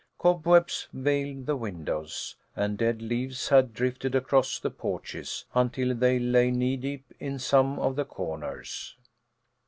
Cobwebs veiled the windows, and dead leaves had drifted across the porches until they lay knee keep in some of the corners.